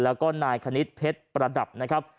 แล้วก็นายคณิตเพชรประดับนะครับ